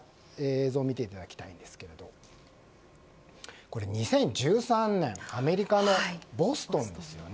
映像を見ていただきたいんですが２０１３年アメリカのボストンです。